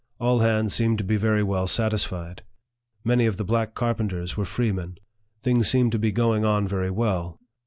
All hands seemed to be very well satisfied. Many of the black carpenters were freemen. Things seemed to be going on very well.